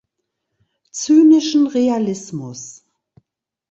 Zynischen Realismus.